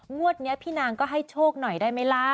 งวดนี้พี่นางก็ให้โชคหน่อยได้ไหมล่ะ